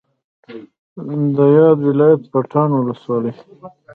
د یاد ولایت پټان ولسوالۍ